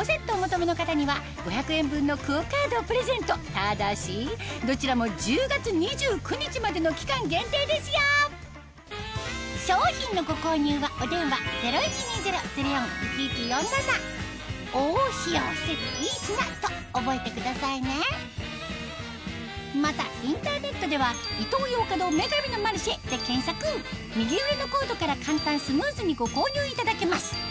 ただしどちらも１０月２９日までの期間限定ですよ商品のご購入はお電話０１２０−０４−１１４７と覚えてくださいねまたインターネットでは右上のコードから簡単スムーズにご購入いただけます